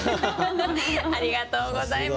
ありがとうございます。